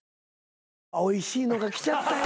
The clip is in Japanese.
おいしいのが来ちゃったよ。